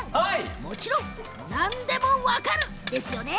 もちろん何でも分かりますよね。